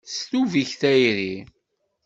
Tesdub-ik tayri.